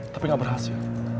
tapi tidak berhasil